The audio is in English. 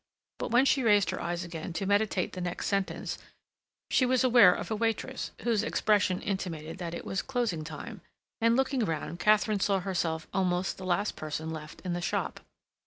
But, when she raised her eyes again to meditate the next sentence, she was aware of a waitress, whose expression intimated that it was closing time, and, looking round, Katharine saw herself almost the last person left in the shop.